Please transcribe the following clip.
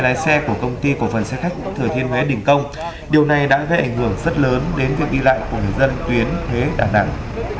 lái xe của công ty cổ phần xe khách thừa thiên huế đình công điều này đã gây ảnh hưởng rất lớn đến việc đi lại của người dân tuyến huế đà nẵng